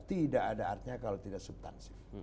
tidak ada artinya kalau tidak subtansif